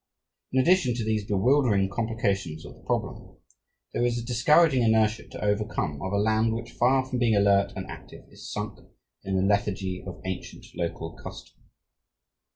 In addition to these bewildering complications of the problem, there is the discouraging inertia to overcome of a land which, far from being alert and active, is sunk in the lethargy of ancient local custom.